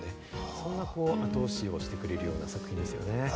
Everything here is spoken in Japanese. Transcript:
そんな後押しをしてくれるような作品ですよね。